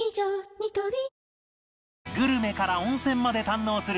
ニトリグルメから温泉まで堪能する